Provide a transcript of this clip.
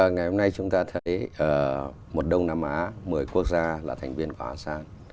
ngày hôm nay chúng ta thấy một đông nam á một mươi quốc gia là thành viên của asean